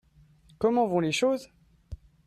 Comment vont les choses ?